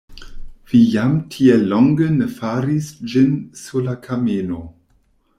Vi jam tiel longe ne faris ĝin sur la kameno!